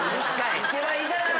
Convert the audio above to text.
・いけばいいじゃない！